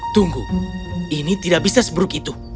tunggu ini tidak bisa seburuk itu